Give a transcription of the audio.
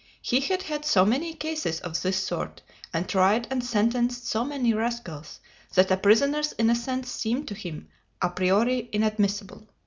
He had had so many cases of this sort, and tried and sentenced so many rascals, that a prisoner's innocence seemed to him à priori inadmissable.